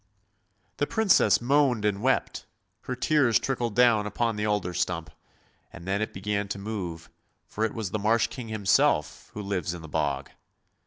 " The Princess moaned and wept ! Her tears trickled down upon the alder stump, and then it began to move, for it was the Marsh King himself, who lives in the bog.